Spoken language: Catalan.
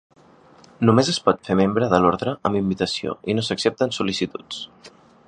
Només es pot fer membre de l'Ordre amb invitació i no s'accepten sol·licituds.